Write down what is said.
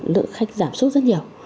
lượng khách giảm suất rất nhiều